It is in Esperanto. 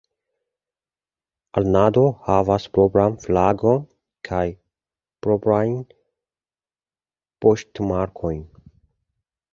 Alando havas propran flagon kaj proprajn poŝtmarkojn.